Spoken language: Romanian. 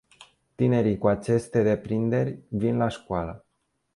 Tinerii cu aceste deprinderi vin la școală.